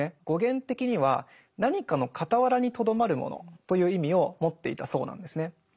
語源的には「何かの傍らにとどまるもの」という意味を持っていたそうなんですね。